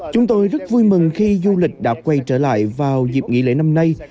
chúng tôi rất vui mừng khi du lịch đã quay trở lại vào dịp nghỉ lễ năm nay